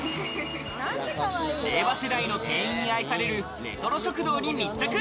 令和世代の店員に愛されるレトロ食堂に密着。